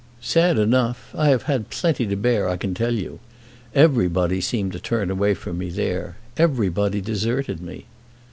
"Sad enough! I have had plenty to bear, I can tell you. Everybody seemed to turn away from me there. Everybody deserted me."